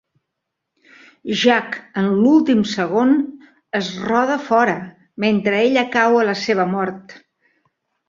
Jack, en l'últim segon, es roda fora, mentre ella cau a la seva mort.